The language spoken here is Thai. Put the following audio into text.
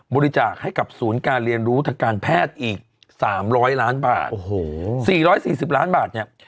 บริจาคให้กับศูนย์การเรียนรู้ทางการแพทย์อีก๓๐๐ล้านบาทโอ้โห๔๔๐ล้านบาทเนี่ย